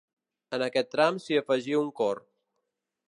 En aquest tram s'hi afegí un cor.